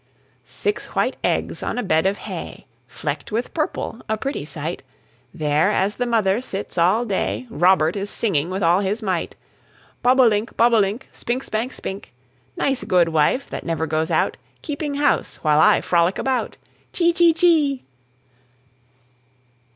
Six white eggs on a bed of hay, Flecked with purple, a pretty sight: There as the mother sits all day, Robert is singing with all his might, Bob o' link, bob o' link, Spink, spank, spink, Nice good wife that never goes out, Keeping house while I frolic about. Chee, chee, chee.